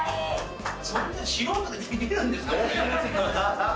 そんな素人でもできるんですね。